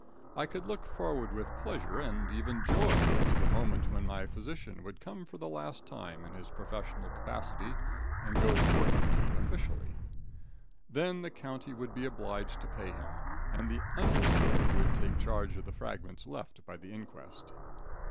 I could look forward with pleasure, and even joy, to the moment when my physician would come for the last time in his professional capacity and go to work on me officially. Then the county would be obliged to pay him, and the undertaker could take charge of the fragments left by the inquest.